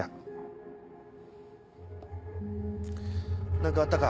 何かあったか？